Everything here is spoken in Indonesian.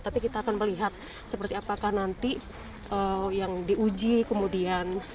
tapi kita akan melihat seperti apakah nanti yang diuji kemudian